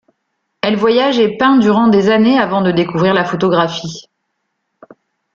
Elle voyage et peint durant des années avant de découvrir la photographie.